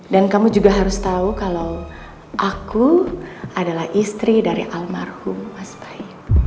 dan kamu juga harus tahu kalau aku adalah istri dari almarhum mas baik